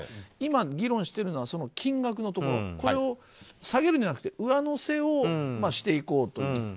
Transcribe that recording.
今、議論しているのは金額のところを下げるんじゃなくて上乗せをしていこうという。